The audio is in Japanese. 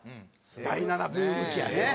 第七ブーム期やね！